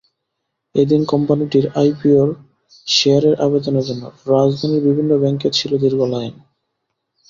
এদিন কোম্পানিটির আইপিওর শেয়ারের আবেদনের জন্য রাজধানীর বিভিন্ন ব্যাংকে ছিল দীর্ঘ লাইন।